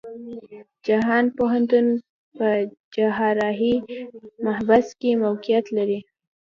جهان پوهنتون په چهارراهی محبس کې موقيعت لري.